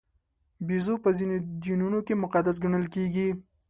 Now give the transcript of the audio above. بیزو په ځینو دینونو کې مقدس ګڼل کېږي.